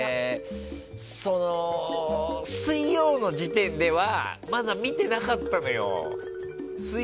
その水曜の時点ではまだ見てなかったのよ。